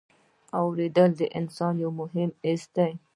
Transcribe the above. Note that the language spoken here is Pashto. اورېدل د انسان یو مهم حس دی.